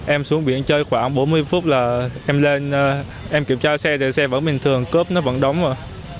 em xuống biển chơi khoảng bốn mươi phút là em lên em kiểm tra xe thì xe vẫn bình thường cốp nó vẫn đóng rồi